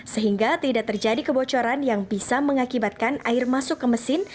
sehingga tidak terjadi kebocoran yang bisa mengakibatkan air masuk ke mesin